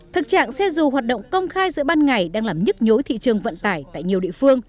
thực trạng xe dù hoạt động công khai giữa ban ngày đang làm nhức nhối thị trường vận tải tại nhiều địa phương